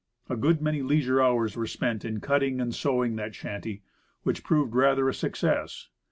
A good many leisure hours were spent in cutting and sewing that shanty, which proved rather a success.